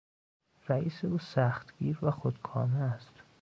رئیس او سختگیر و خودکامه است.